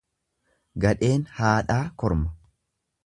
Gadheen haadhaa korma.